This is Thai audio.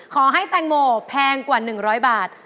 ขอให้แตงโมแพงกว่า๑๐๐บาท